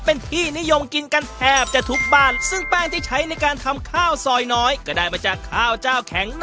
เป็นที่นิยมกินกันแทบจะทุกบ้านซึ่งแป้งที่ใช้ในการทำข้าวซอยน้อยก็ได้มาจากข้าวเจ้าแข็ง